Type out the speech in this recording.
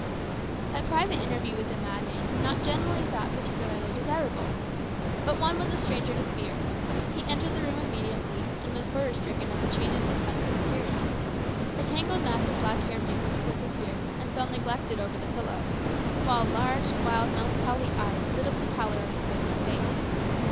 A private interview with a madman is not generally thought particularly desirable. But Juan was a stranger to fear. He entered the room immediately, and was horror stricken at the change in his cousin's appearance. A tangled mass of black hair mingled with his beard, and fell neglected over the pillow; while large, wild, melancholy eyes lit up the pallor of his wasted face.